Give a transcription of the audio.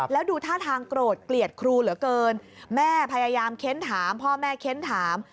แล้วดูท่าทางโกรธเกลียดครูเหลือเกินแม่พยายามเค้นถามพ่อแม่เค้นถาม